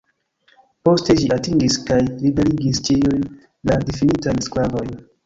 Poste ĝi atingis kaj liberigis ĉiujn la difinitajn sklavojn.